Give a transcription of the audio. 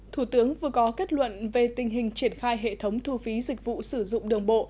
thủ tướng vừa có kết luận về tình hình triển khai hệ thống thu phí dịch vụ sử dụng đường bộ